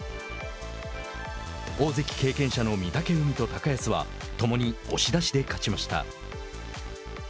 大関経験者の御嶽海と高安はともに押し出しで勝ちました。